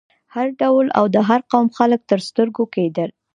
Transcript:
هر ډول او د هر قوم خلک تر سترګو کېدل.